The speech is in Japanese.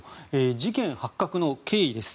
事件発覚の経緯です。